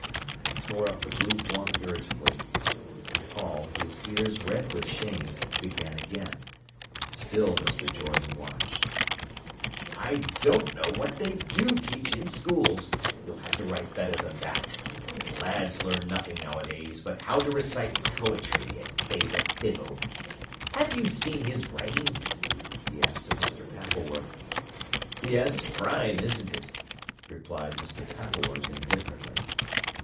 And he tore up the blue form irritably. Paul, his ears red with shame, began again. Still Mr. Jordan watched. "I don't know what they do teach in schools. You'll have to write better than that. Lads learn nothing nowadays, but how to recite poetry and play the fiddle. Have you seen his writing?" he asked of Mr. Pappleworth. "Yes; prime, isn't it?" replied Mr. Pappleworth indifferently.